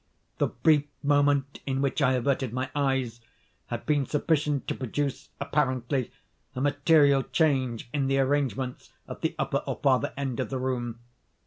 The brief moment in which I averted my eyes had been sufficient to produce, apparently, a material change in the arrangements at the upper or farther end of the room.